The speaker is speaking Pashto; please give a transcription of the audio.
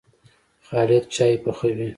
خالد چايي پخوي.